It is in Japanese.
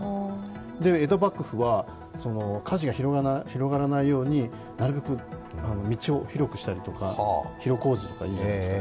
江戸幕府は火事が広がらないようになるべく道を広くしたりとか広小路とかいうじゃないですか